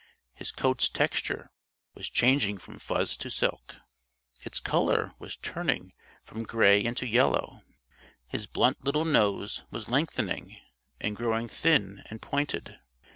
His coat's texture was changing from fuzz to silk. Its color was turning from gray into yellow. His blunt little nose was lengthening and growing thin and pointed.